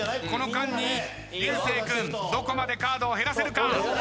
この間に流星君どこまでカードを減らせるか？